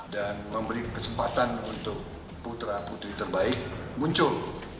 dan memberi kesempatan untuk putra putri terbaik muncul